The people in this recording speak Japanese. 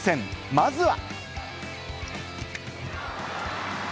まずは。